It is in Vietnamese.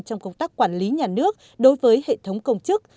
trong công tác quản lý nhà nước đối với hệ thống công chức